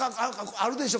あるでしょ？